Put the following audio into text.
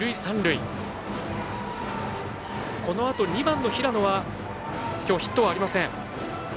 このあと２番の平野はきょうヒットはありません。